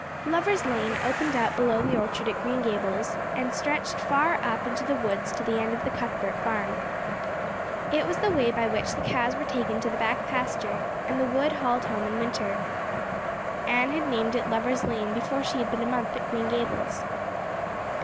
Lover's Lane opened out below the orchard at Green Gables and stretched far up into the woods to the end of the Cuthbert farm. It was the way by which the cows were taken to the back pasture and the wood hauled home in winter. Anne had named it Lover's Lane before she had been a month at Green Gables.